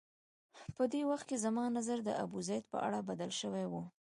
په دې وخت کې زما نظر د ابوزید په اړه بدل شوی و.